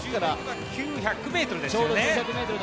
１００ｍですよね。